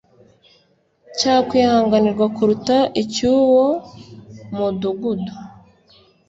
cyakwihanganirwa kuruta icy uwo mudugudu